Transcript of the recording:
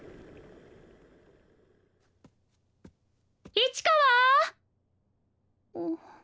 市川！